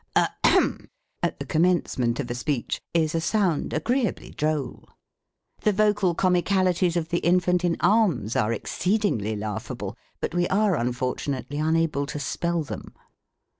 Ahem ! at the commencement of a speech, is a sound agreeably droll. The vocal comicalities of the infant in arms are exceedingly laughable, but we are unfortunately una ble to spell them.